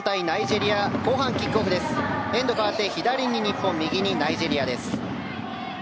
エンド変わって左に日本右にナイジェリアです。